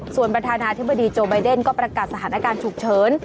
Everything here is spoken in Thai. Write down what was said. ส่วนประธานาธิบดีโจไบเดนก็ประกาศสถานการณ์ฉุกเฉิน